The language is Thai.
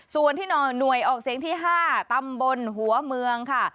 ส่วนที่หน่วยออกเสียงที่๕ตำบลหัวเมืองค่ะ